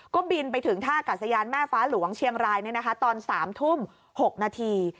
ก็บินไปถึงท่ากัดสยานแม่ฟ้าหลวงเชียงรายตอน๓ทุ่ม๖นาที